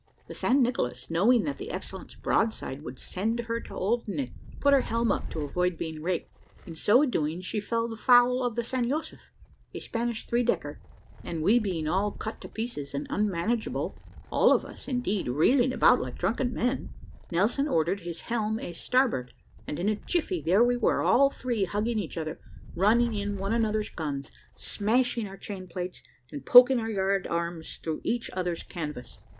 The San Nicolas, knowing that the Excellent's broadside would send her to old Nick, put her helm up to avoid being raked: in so doing, she fell foul of the San Josef a Spanish three decker, and we being all cut to pieces, and unmanageable all of us indeed reeling about like drunken men Nelson ordered his helm a star board, and in a jiffy there we were, all three hugging each other, running in one another's guns, smashing our chain plates, and poking our yard arms through each other's canvas.